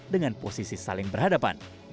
dengan posisi saling berhadapan